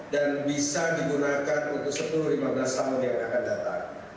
dan bisa digunakan untuk sepuluh lima belas tahun yang akan datang